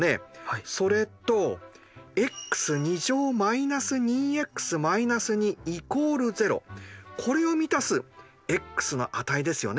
それとこれを満たすｘの値ですよね。